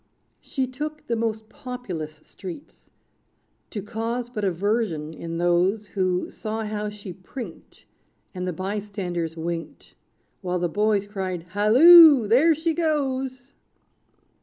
She took the most populous streets. To cause but aversion in those, Who saw how she prinked, And the bystanders winked. While the boys cried, "Halloo! there she goes!"